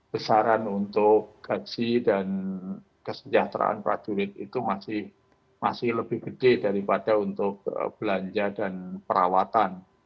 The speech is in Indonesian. besaran untuk gaji dan kesejahteraan prajurit itu masih lebih gede daripada untuk belanja dan perawatan